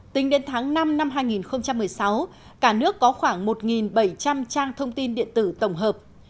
tính đến tháng năm năm hai nghìn một mươi sáu cả nước có khoảng một bảy trăm linh trang thông tin điện tử tổng hợp